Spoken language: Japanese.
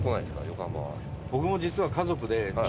横浜は。